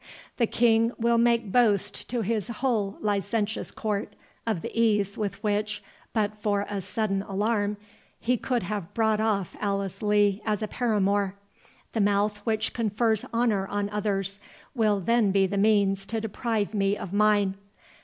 The King will make boast to his whole licentious court, of the ease with which, but for a sudden alarm, he could have brought off Alice Lee as a paramour—the mouth which confers honour on others, will then be the means to deprive me of mine.